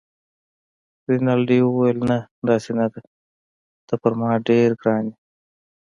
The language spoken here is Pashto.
رینالډي وویل: نه، داسې نه ده، ته پر ما ډېر ګران يې.